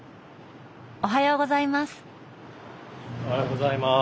おはようございます！